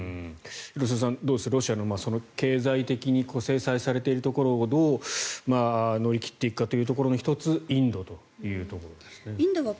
廣津留さん、どうですロシアの経済的に制裁されているところをどう乗り切っていくかというところの１つインドというところですね。